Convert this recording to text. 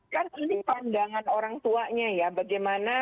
kan ini pandangan orang tuanya ya bagaimana